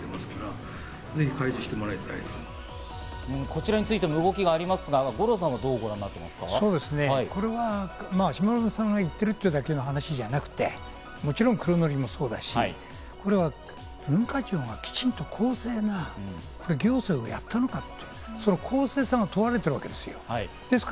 こちらについても動きがありますが、五郎さん、どうご覧になっていますか？これは下村さんが言っているというだけの話じゃなくて、もちろん黒塗りもそうだし、文化庁がきちんと公正な行政をやったのか、その公正さが問われているわけです。